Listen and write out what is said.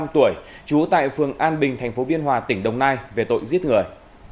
năm mươi năm tuổi trú tại phường an bình tp biên hòa tỉnh đồng nai về tội giết người